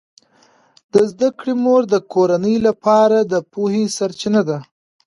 د زده کړې مور د کورنۍ لپاره د پوهې سرچینه ده.